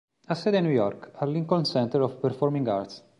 Ha sede a New York, al Lincoln Center of Performing Arts.